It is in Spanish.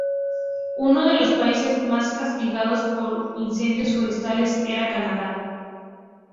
Uno de los países más castigados por los incendios forestales era Canadá.